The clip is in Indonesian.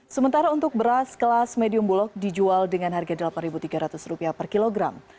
sementara untuk beras kelas medium bulog dijual dengan harga rp delapan tiga ratus per kilogram